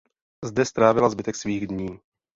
Zde strávila zbytek svých dní.